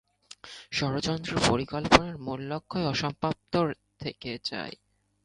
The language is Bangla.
ষড়যন্ত্রের পরিকল্পনার মূল লক্ষ্যই অসমাপ্ত থেকে যায়।